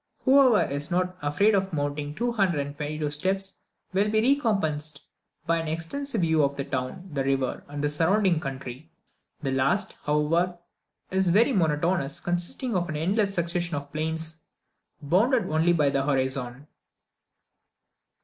Whoever is not afraid of mounting 222 steps will be recompensed by an extensive view of the town, the river, and the surrounding country; the last, however, is very monotonous, consisting of an endless succession of plains bounded only by the horizon.